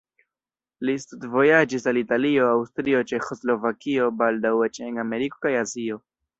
Li studvojaĝis al Italio, Aŭstrio, Ĉeĥoslovakio, baldaŭ eĉ en Ameriko kaj Azio.